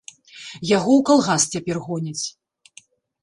Яго ў калгас цяпер гоняць.